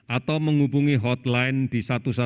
atau menghubungi hotline di satu ratus dua belas